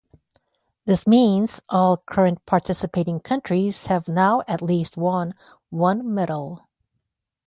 This means all current participating countries have now at least won one medal.